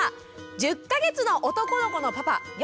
１０か月の男の子のパパよ